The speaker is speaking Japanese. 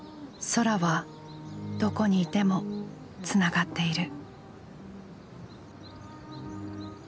空はどこにいてもつながっている。